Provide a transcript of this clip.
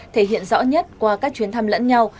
thể hiện rõ nhất qua các chuyến thăm lẫn nhau